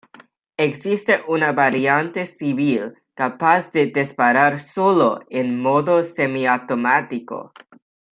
Existe una variante civil, capaz de disparar sólo en modo semiautomático.